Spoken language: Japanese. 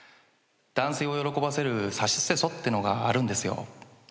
男性を喜ばせる「さしすせそ」ってのがあるんですよ。